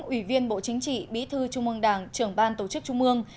ủy viên bộ chính trị bí thư trung mương đảng trưởng ban tổ chức trung mương